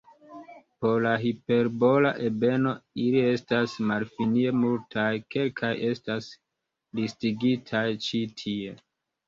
Por la hiperbola ebeno ili estas malfinie multaj, kelkaj estas listigitaj ĉi tie.